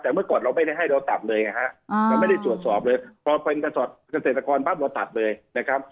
แต่เมื่อก่อนเราไม่ได้ให้เราตัดเลยไงฮะเราไม่ได้ตรวจสอบเลยพอเป็นเกษตรกรปั๊บเราตัดเลยนะครับ